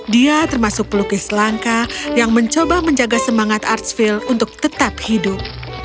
dia termasuk pelukis langka yang mencoba menjaga semangat artsville untuk tetap hidup